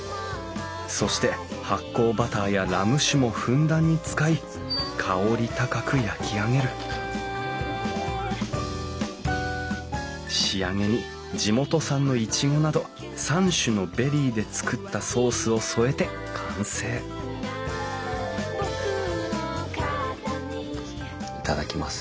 そして発酵バターやラム酒もふんだんに使い香り高く焼き上げる仕上げに地元産のイチゴなど３種のベリーで作ったソースを添えて完成頂きます。